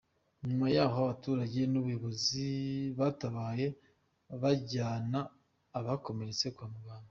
Nyuma yaho abaturage n’ubuyobozi batabaye bajyana abakomeretse kwa muganga.